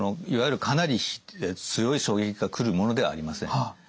いわゆるかなり強い衝撃が来るものではありません。